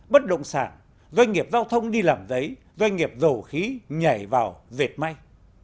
bất động sản doanh nghiệp giao thông đi làm giấy doanh nghiệp dầu khí nhảy vào dệt may